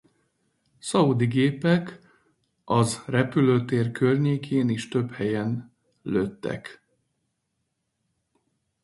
A szaúdi gépek az repülőtér környékén is több helyen lőttek.